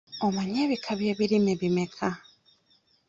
Omanyi ebika by'ebirime bimeka?